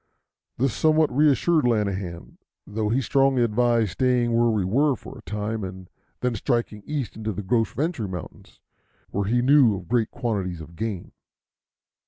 This somewhat reassured Lanahan, though he strongly advised staying where we were for a time, and then striking east into the Gros Ventre Mountains, where he knew of great quantities of game.